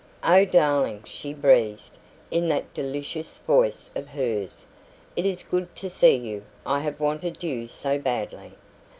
"Oh, darling!" she breathed, in that delicious voice of hers, "it is good to see you. I have wanted you so badly."